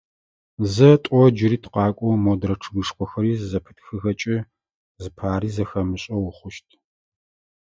Зэ, тӏо джыри тыкъакӏоу, модрэ чъыгышхохэри зызэпытхыхэкӏэ, зыпари зэхэмышӏэу ухъущт.